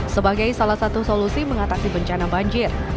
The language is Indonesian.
sebagai salah satu solusi mengatasi bencana banjir